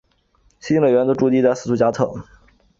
新乐团的驻地在斯图加特。